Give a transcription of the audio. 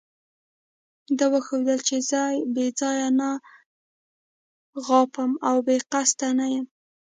ده وښودل چې زه بې ځایه نه غاپم او بې قصده نه یم.